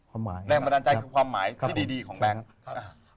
แรงบันดาลใจคือความหมายที่ดีของแบล็ค